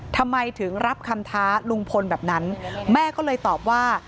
ทำไมถึงรับคำท้าลุงพลแบบนั้นแม่ก็เลยตอบว่า